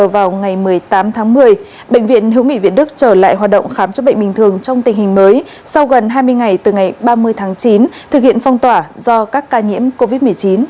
vào ngày một mươi tám tháng một mươi bệnh viện hữu nghị việt đức trở lại hoạt động khám chữa bệnh bình thường trong tình hình mới sau gần hai mươi ngày từ ngày ba mươi tháng chín thực hiện phong tỏa do các ca nhiễm covid một mươi chín